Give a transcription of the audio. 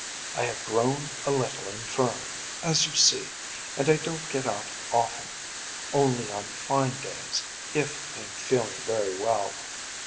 I have grown a little infirm, as you see, and I don’t get out often; only on fine days, if I am feeling very well.